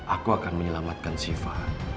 aku akan menyelamatkan syifa